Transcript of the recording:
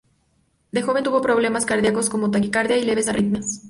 De joven tuvo problemas cardíacos, como taquicardia y leves arritmias.